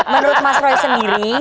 menurut mas roy sendiri